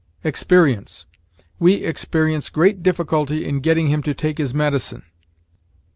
EXPERIENCE. "We experience great difficulty in getting him to take his medicine."